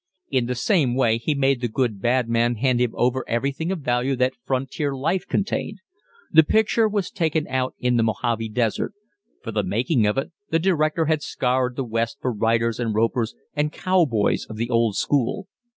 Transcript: In the same way he made "The Good Bad Man" hand him over everything of value that frontier life contained. The picture was taken out in the Mohave desert; for the making of it the director had scoured the West for riders and ropers and cowboys of the old school.